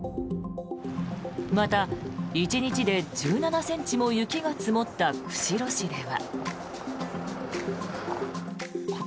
また、１日で１７ｃｍも雪が積もった釧路市では。